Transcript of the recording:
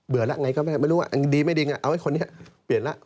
แล้วไงก็ไม่รู้ว่าดีไม่ดีไงเอาไอ้คนนี้เปลี่ยนแล้ว